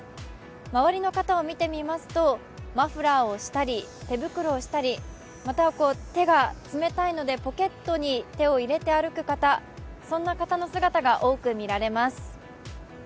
周りの方を見てみますと、マフラーをしたり手袋をしたり、また手が冷たいのでポケットに手を入れて歩く方、そんな方の姿が多く見られます。